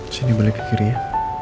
sini boleh ke kiri ya